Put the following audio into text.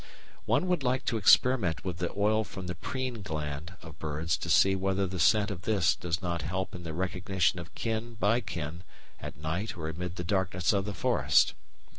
One would like to experiment with the oil from the preen gland of birds to see whether the scent of this does not help in the recognition of kin by kin at night or amid the darkness of the forest.